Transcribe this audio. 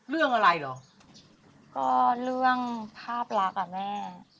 เรื่องอะไรเหรอก็เรื่องภาพรักอ่ะแม่